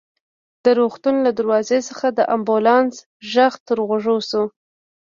د روغتون له دروازې څخه د امبولانس غږ تر غوږو شو.